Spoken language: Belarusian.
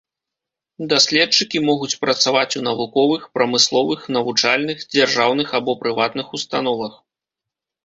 Даследчыкі могуць працаваць у навуковых, прамысловых, навучальных, дзяржаўных або прыватных установах.